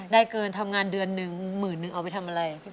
ได้เกินมาทำงานเดือนหนึ่งหมื่นเอาไปทำอะไรพี่พระพี่